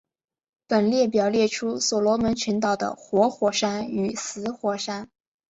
本列表列出所罗门群岛的活火山与死火山。